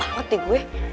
malas banget deh gue